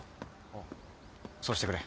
おうそうしてくれ。